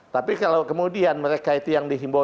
tapi kalau kemudian mereka itu yang dihimbau